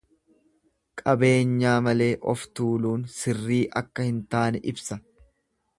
Qabeenyaa malee of tuuluun sirrii akka hin taane ibsa.